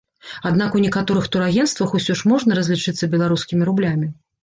Аднак у некаторых турагенцтвах усё ж можна разлічыцца беларускімі рублямі.